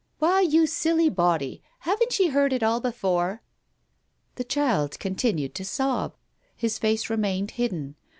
"Why, you silly body, haven't ye heard it all before?" The child continued to sob. His face remained hidden.